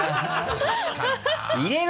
確かにな。